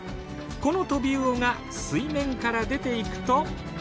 このトビウオが水面から出ていくと。